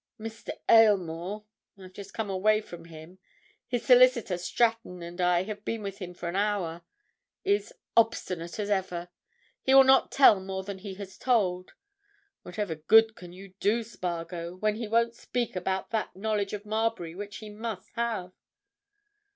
Mr. Aylmore—I've just come away from him; his solicitor, Stratton, and I have been with him for an hour—is obstinate as ever—he will not tell more than he has told. Whatever good can you do, Spargo, when he won't speak about that knowledge of Marbury which he must have?"